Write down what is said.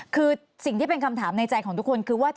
คือสิ่งที่เป็นคำถามในใจของทุกคนคือว่า